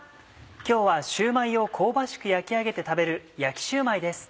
今日はシューマイを香ばしく焼き上げて食べる「焼きシューマイ」です。